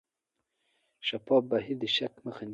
شفاف بهیر د شک مخه نیسي.